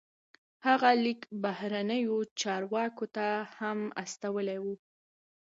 هغه لیک بهرنیو چارواکو ته هم استولی و.